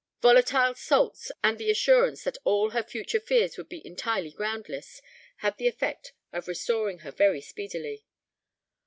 Volatile salts, and the assurance that all her future fears would be entirely groundless, had the effect of restoring her very speedily.